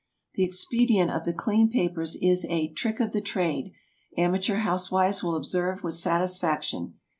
The expedient of the clean papers is a "trick of the trade," amateur housewives will observe with satisfaction.